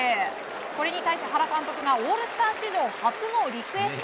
これに対して原監督がオールスター史上初のリクエスト。